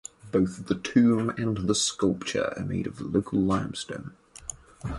Both the tomb and the sculpture are made of local limestone.